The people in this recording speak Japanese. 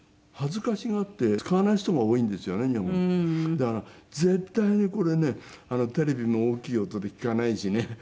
だから絶対にこれねテレビも大きい音で聞かないしね